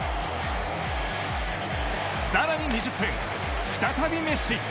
さらに２０分再びメッシ。